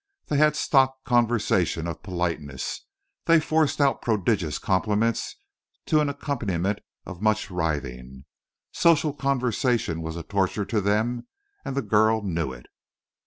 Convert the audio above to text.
They had stock conversation of politeness; they forced out prodigious compliments to an accompaniment of much writhing. Social conversation was a torture to them, and the girl knew it.